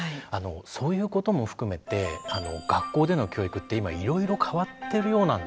そういうことも含めて学校での教育って今いろいろ変わってるようなんですね。